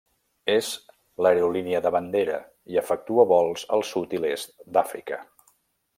És l'aerolínia de bandera i efectua vols al sud i l'est d'Àfrica.